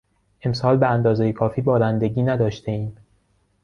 امسال به اندازهی کافی بارندگی نداشتهایم.